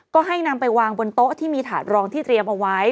ก็ให้นำไปวางบนโต๊ะที่มีถาดรองที่เตรียมเอาไว้